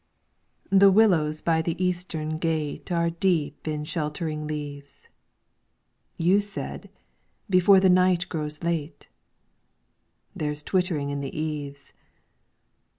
The willows by the Eastern Gate Are deep in sheltering leaves. You said ' Before the night grows late,' There 's twittering in the eaves.